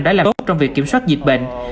đã làm tốt trong việc kiểm soát dịch bệnh